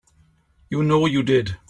You know you did.